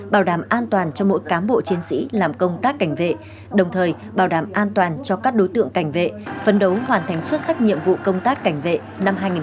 bảo đảm an toàn cho mỗi cán bộ chiến sĩ làm công tác cảnh vệ đồng thời bảo đảm an toàn cho các đối tượng cảnh vệ phấn đấu hoàn thành xuất sắc nhiệm vụ công tác cảnh vệ năm hai nghìn hai mươi